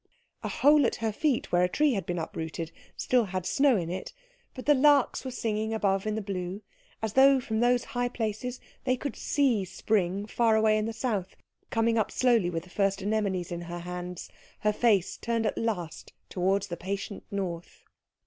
A hole at her feet, where a tree had been uprooted, still had snow in it; but the larks were singing above in the blue, as though from those high places they could see Spring far away in the south, coming up slowly with the first anemones in her hands, her face turned at last towards the patient north.